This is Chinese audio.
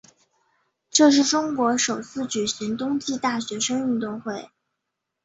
这是中国首次举行冬季大学生运动会。